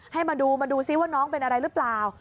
ให้มาดูมาดูซิว่าน้องเป็นอะไรหรือเปล่า